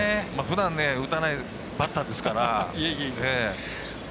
ふだん、打たないバッターですから。